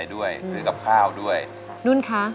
หมื่นนุ่นค่ะ